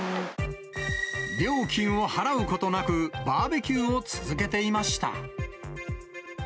料金を払うことなく、バーベキューを続けていました。